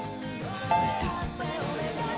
続いては